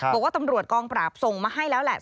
บอกว่าตำรวจกองปราบส่งมาให้แล้วแหละ